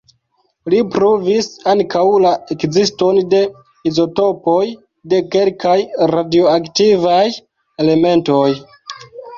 Li pruvis ankaŭ la ekziston de izotopoj de kelkaj radioaktivaj elementoj.